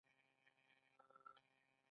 د بادغیس په قادس کې د تیلو نښې شته.